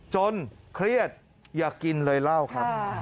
จนเครียดอยากกินเลยเล่าค่ะ